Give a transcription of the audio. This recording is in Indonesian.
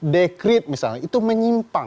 dekrit misalnya itu menyimpang